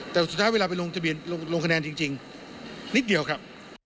แต่สุดท้ายเวลาไปลงทะเบียนลงคะแนนจริงนิดเดียวครับ